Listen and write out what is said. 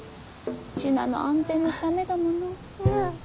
樹奈の安全のためだもの。